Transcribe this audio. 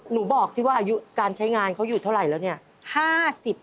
หนูบอกสิว่าอายุการใช้งานเขาอยู่เท่าไหร่แล้วเนี่ย